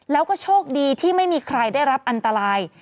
แล้วก็โชคดีที่ไม่มีใครได้รับอันตราย